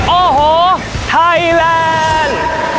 โอ้โหไทยแลนด์